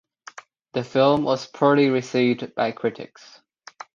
The film was poorly received by critics.